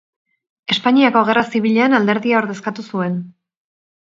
Espainiako Gerra Zibilean alderdia ordezkatu zuen.